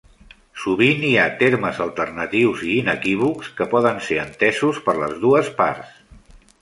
Sovint hi ha termes alternatius i inequívocs que poden ser entesos per les dues parts.